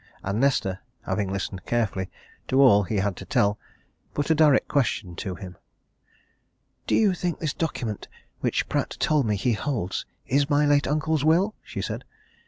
And Nesta, having listened carefully to all he had to tell, put a direct question to him. "You think this document which Pratt told me he holds is my late uncle's will?" she said.